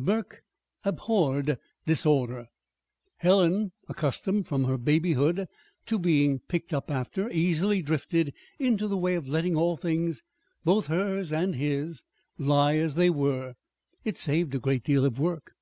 Burke abhorred disorder. Helen, accustomed from her babyhood to being picked up after, easily drifted into the way of letting all things, both hers and his, lie as they were. It saved a great deal of work.